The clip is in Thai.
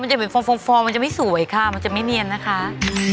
จะเป็นฟองฟอร์มมันจะไม่สวยค่ะมันจะไม่เนียนนะคะ